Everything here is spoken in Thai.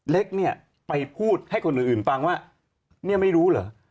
เล็กเนี่ยไปพูดให้คนอื่นฟังว่าเนี่ยไม่รู้เหรอ